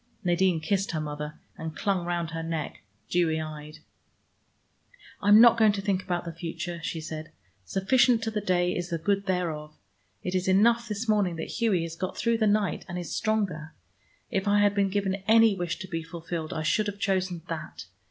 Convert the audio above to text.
Nadine kissed her mother, and clung round her neck, dewy eyed. "I'm not going to think about the future," she said. "Sufficient to the day is the good thereof. It is enough this morning that Hughie has got through the night and is stronger. If I had been given any wish to be fulfilled I should have chosen that.